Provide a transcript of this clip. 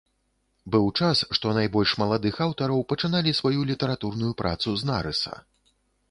Быў час, што найбольш маладых аўтараў пачыналі сваю літаратурную працу з нарыса.